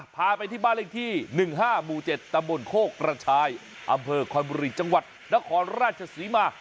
พาไปที่บ้านเลขที่๑๕หมู่๗ตำบลโคกกระชายอำเภอคอนบุรีจังหวัดนครราชศรีมา